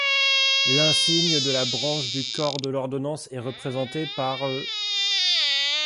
L'insigne de la branche du corps de l'ordonnance est représenté par l'.